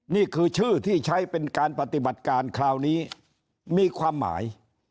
นี่คือชื่อที่ใช้เป็นการปฏิบัติการคราวนี้มีความหมาย